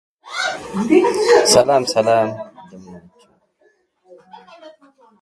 He attended Union Theological Seminary and Columbia University.